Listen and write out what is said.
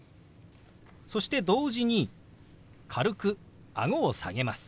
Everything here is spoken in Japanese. そして同時に軽くあごを下げます。